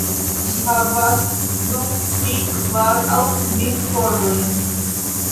Ĝi havas du, tri, kvar aŭ kvin kordojn.